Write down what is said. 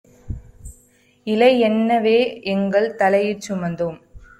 இலைஎன்ன வேஎங்கள் தலையிற் சுமந்தோம்.